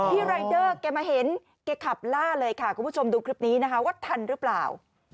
รายเดอร์แกมาเห็นแกขับล่าเลยค่ะคุณผู้ชมดูคลิปนี้นะคะว่าทันหรือเปล่า